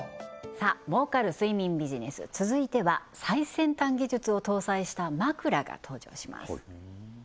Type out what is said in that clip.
さあ儲かる睡眠ビジネス続いては最先端技術を搭載した枕が登場します